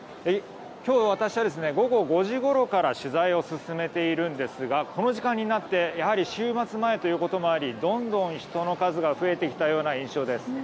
今日私は午後５時ごろから取材を進めているんですがこの時間になってやはり週末前ということもありどんどん人の数が増えてきたような印象です。